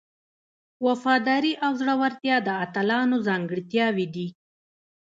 وفاداري او زړورتیا د اتلانو ځانګړتیاوې دي.